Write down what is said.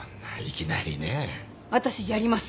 私やります。